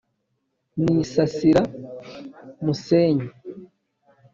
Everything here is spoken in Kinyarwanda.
nisasira musenyi